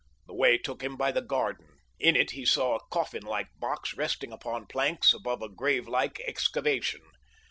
The way took him by the garden. In it he saw a coffin like box resting upon planks above a grave like excavation.